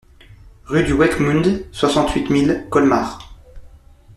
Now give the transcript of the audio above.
Rue du Weckmund, soixante-huit mille Colmar